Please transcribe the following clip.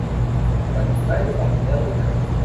Maxima est le partenaire de K'.